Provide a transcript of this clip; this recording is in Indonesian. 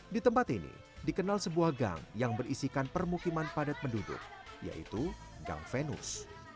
di tempat ini dikenal sebuah gang yang berisikan permukiman padat penduduk yaitu gang venus